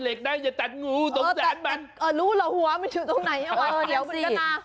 เออรู้เหรอหัวมันอยู่ตรงไหนเออว่ากลัวนาน๔